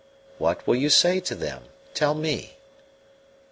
"What will you say to them? Tell me."